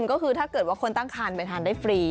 ก็คือถ้าเกิดว่าคนตั้งคันไปทานได้ฟรี